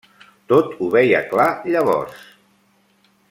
Tot ho veia clar llavors…